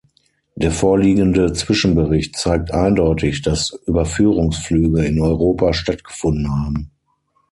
Der vorliegende Zwischenbericht zeigt eindeutig, dass Überführungsflüge in Europa stattgefunden haben.